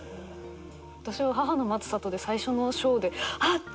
私は『母の待つ里』で最初の章であっ！